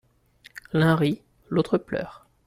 L'un rit, l'autre pleure.